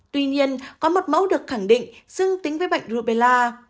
tuy nhiên có một mẫu được khẳng định dương tính với bệnh rubella